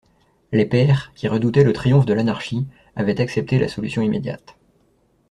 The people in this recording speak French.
Les Pairs, qui redoutaient le triomphe de l'anarchie, avaient accepté la solution immédiate.